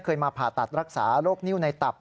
มาผ่าตัดรักษาโรคนิ้วในตับ